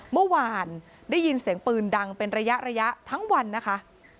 เมื่อวานได้ยินเสียงปืนดังเป็นระยะทั้งวันนะคะ